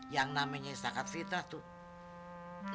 yang namanya istakat fitah tuh